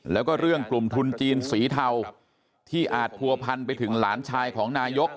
แล้วก็เรื่องกลุ่มทุนจีนสีเทาที่อาจผัวพันไปถึงหลานชายของนายก